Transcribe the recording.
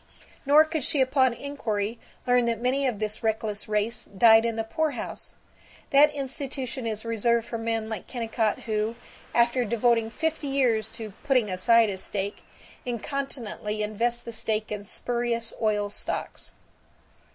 Nor could she upon inquiry learn that many of this reckless race died in the poorhouse. That institution is reserved for men like Kennicott who, after devoting fifty years to "putting aside a stake," incontinently invest the stake in spurious oil stocks.